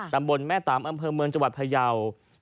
ตำบลแม่ตามอำเภอเมืองจังหวัดพยาว